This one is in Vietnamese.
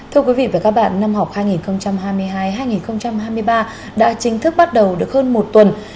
thưa quý vị và các bạn năm học hai nghìn hai mươi hai hai nghìn hai mươi ba đã chính thức bắt đầu được hơn một tuần